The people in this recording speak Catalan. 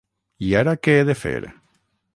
I ara què he de fer?